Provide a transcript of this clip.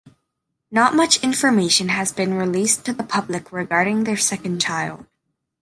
Not much information has been released to the public regarding their second child.